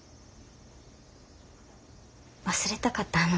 忘れたかった。